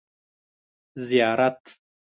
ـ زیارت.